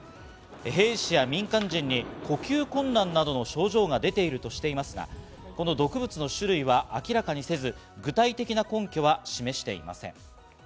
兵士や民間人に呼吸困難などの症状が出ているとしていますが、毒物の種類は明らかにせず、具体的な根拠は示していません。